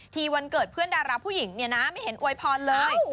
วันเกิดเพื่อนดาราผู้หญิงเนี่ยนะไม่เห็นอวยพรเลย